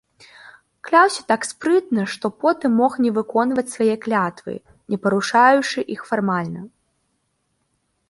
Кляўся так спрытна, што потым мог не выконваць свае клятвы, не парушаючы іх фармальна.